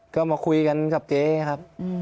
ก็มาคุยกันกับเจ๊ครับ